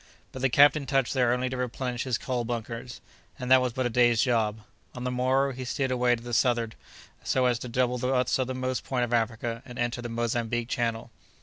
But the captain touched there only to replenish his coal bunkers, and that was but a day's job. On the morrow, he steered away to the south'ard, so as to double the southernmost point of Africa, and enter the Mozambique Channel.